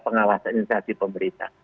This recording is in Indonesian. pengawasan inisiatif pemerintah